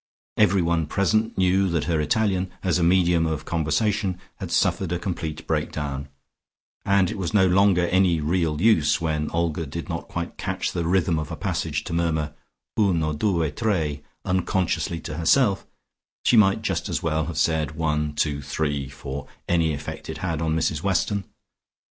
Everyone present knew that her Italian, as a medium for conversation, had suffered a complete break down, and it was no longer any real use, when Olga did not quite catch the rhythm of a passage, to murmur "Uno, due, tre" unconsciously to herself; she might just as well have said "one, two, three" for any effect it had on Mrs Weston.